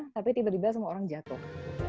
tapi tiba tiba semua orang jatuh